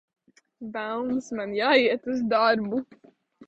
Velns, man jāiet uz darbu!